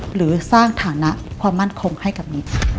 หรือสร้างฐานะความมั่นคงให้กับมิก